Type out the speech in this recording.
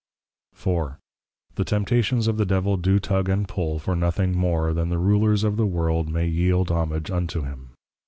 IV. The Temptations of the Devil do Tug and Pull for nothing more, than that the Rulers of the World may yield Homage unto him.